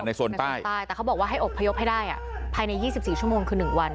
ในโซนใต้แต่เขาบอกว่าให้อบพยพให้ได้อ่ะภายในยี่สิบสี่ชั่วโมงคือหนึ่งวัน